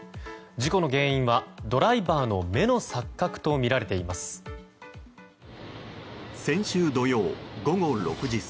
事故の原因は、ドライバーの目の錯覚とみられています。